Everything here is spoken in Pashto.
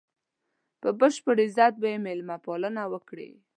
په بشپړ عزت به یې مېلمه پالنه وکړي.